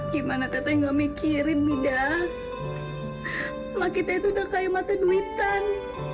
gimana teteh gak mikirin mida maka kita itu udah kaya mata duitan